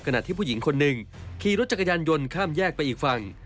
ขณะที่ผู้หญิงคนหนึ่งขี่รถจักรยานยนต์ข้ามแยกไปอีกฝั่ง